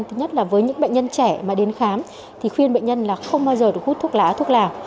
thứ nhất là với những bệnh nhân trẻ mà đến khám thì khuyên bệnh nhân là không bao giờ được hút thuốc lá thuốc lào